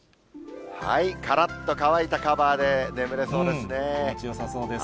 からっと乾いたカバーで眠れ気持ちよさそうです。